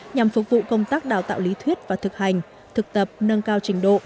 nhằm phục vụ công tác đào tạo lý thuyết và thực hành thực tập nâng cao trình độ